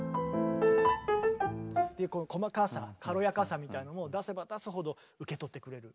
この細かさ軽やかさみたいなのも出せば出すほど受け取ってくれる。